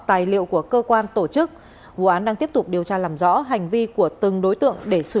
tài liệu của cơ quan tổ chức vụ án đang tiếp tục điều tra làm rõ hành vi của từng đối tượng để xử